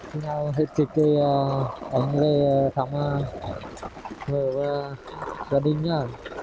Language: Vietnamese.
hãy trịch anh về thăm vợ và gia đình nhé